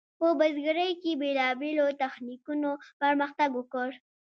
په بزګرۍ کې بیلابیلو تخنیکونو پرمختګ وکړ.